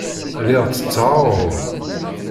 Lliɣ ttetteɣ aɣrum.